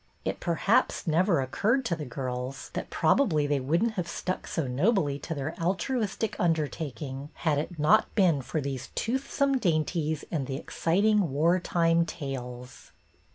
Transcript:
It perhaps never oc curred to the girls that probably they would n't have stuck so nobly to their al truistic undertaking had it not been for 228 BETTY BAIRD these toothsome dainties and the exciting war time tales.